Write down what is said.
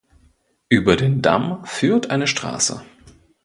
Über den Damm führt eine Straße.